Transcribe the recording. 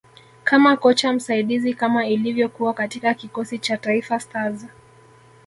kama kocha msaidizi kama ilivyokuwa katika kikosi cha Taifa Stars